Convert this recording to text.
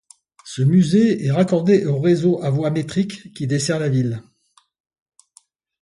Ce musée est raccordé au réseau à voie métrique qui dessert la ville.